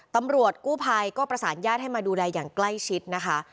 ตำรวจกู้ภัยก็ประสานญาติให้มาดูแลอย่างใกล้ชิดนะคะ